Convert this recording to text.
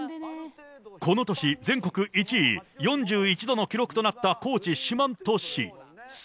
この年、全国１位、４１度の記録となった高知・四万十市。